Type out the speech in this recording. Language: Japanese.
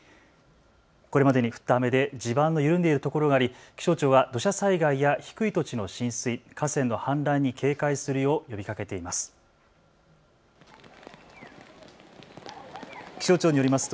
これまでに降った雨で地盤の緩んでいるところがあり気象庁は土砂災害や低い土地の浸水、河川の氾濫に警戒するよう呼びかけています。